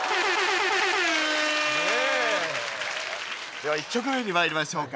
では１曲目にまいりましょうか。